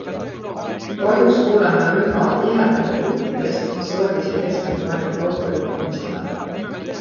Kahjuks kuuleme üha tihedamini juhtidest, kes roolis ei keskendu ainult auto juhtimisele.